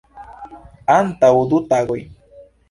Antaŭ du tagoj.